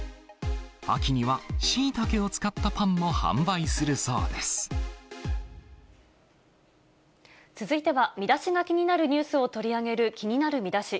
秋にはしいたけを使ったパン続いては、ミダシが気になるニュースを取り上げる気になるミダシ。